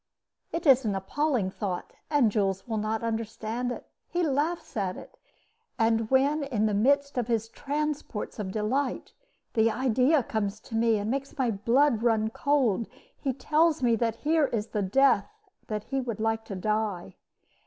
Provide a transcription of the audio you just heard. It is an appalling thought, and Jules will not understand it. He laughs at it; and when, in the midst of his transports of delight, the idea comes to me and makes my blood run cold, he tells me that here is the death that he would like to die.